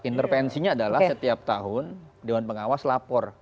intervensinya adalah setiap tahun dewan pengawas lapor